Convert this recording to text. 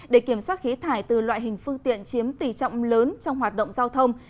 để kiểm soát khí thải từ loại hình phương tiện chiếm tỷ trọng lớn trong hoạt động giao thông